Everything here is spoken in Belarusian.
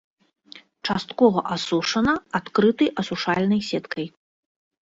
Часткова асушана адкрытай асушальных сеткай.